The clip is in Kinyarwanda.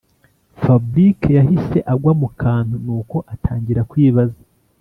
fabric yahise agwa mukantu nuko atangira kwibaza